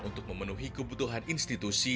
untuk memenuhi kebutuhan institusi